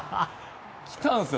来たんですよ